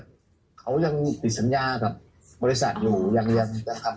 ฟังทั้งนั้นเลย